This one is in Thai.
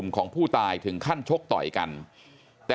จังหวัดสุราชธานี